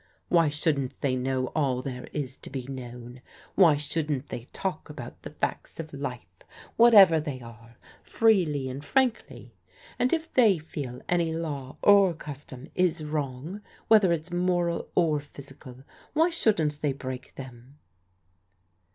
Why shouldn't they know all there is to be known? Why shouldn't they talk about the facts of life, whatever they are, freely and frankly? And if they feel any law or custom is wrong, whether it's moral or physical, why shouldn't they break them